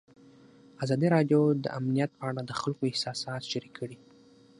ازادي راډیو د امنیت په اړه د خلکو احساسات شریک کړي.